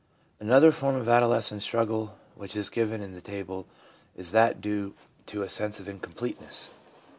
Another form of adolescent struggle which is given in the table is that due to a sense of incompleteness.